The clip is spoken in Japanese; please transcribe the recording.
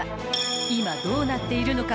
今、どうなっているのか